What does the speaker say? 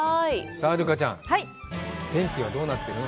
さあ留伽ちゃん、天気はどうなっているの？